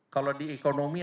kalau di ekonomi